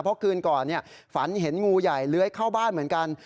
เพราะคืนก่อนฝันเห็นงูใหญ่เลื้อยเข้าบ้านเหมือนกัน